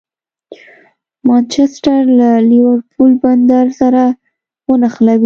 مانچسټر له لېورپول بندر سره ونښلوي.